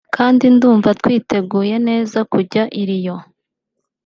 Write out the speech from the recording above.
kandi ndumva twiteguye neza kujya i Rio